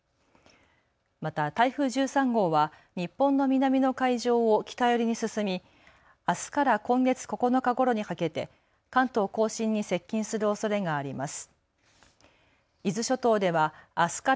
また台風１３号は日本の南の海上を北寄りに進み、あすから今月９日ごろにかけて関東甲信に接近するおそれがあります。